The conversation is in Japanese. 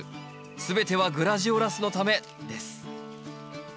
全てはグラジオラスのためです。